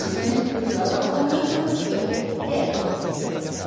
ここに空気を入れてこうですね。